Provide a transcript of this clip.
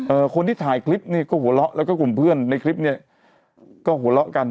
คนที่ถ่ายคลิปเนี่ยก็หัวเราะแล้วก็กลุ่มเพื่อนในคลิปเนี้ยก็หัวเราะกัน